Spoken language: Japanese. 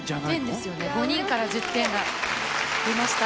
５人から１０点が出ました。